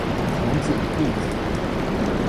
孔子弟子。